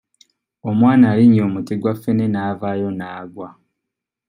Omwana alinnye omuti gwa ffene n'avaayo n'agwa